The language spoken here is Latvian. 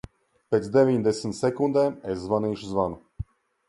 Pēc deviņdesmit sekundēm es zvanīšu zvanu.